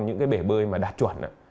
những bể bơi đạt chuẩn